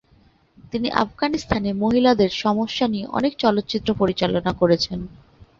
তিনি আফগানিস্তানে মহিলাদের সমস্যা নিয়ে অনেক চলচ্চিত্র পরিচালনা করেছেন।